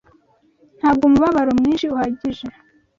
Ntabwo umubabaro mwinshi uhagije